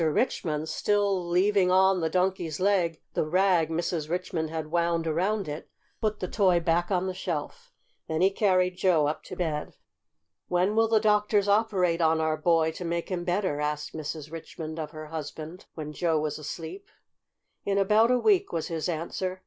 Richmond, still leaving on the Donkey's leg the rag Mrs. Richmond had wound around it, put the toy back on the shelf. Then he carried Joe up to bed. "When will the doctors operate on our boy, to make him better?" asked Mrs. Richmond of her husband, when Joe was asleep. "In about a week," was his answer.